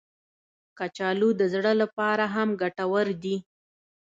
کچالو د زړه لپاره هم ګټور دي